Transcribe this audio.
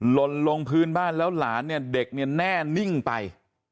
ลนลงพื้นบ้านแล้วหลานเนี่ยเด็กเนี่ยแน่นิ่งไป